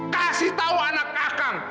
kasih tau anak akang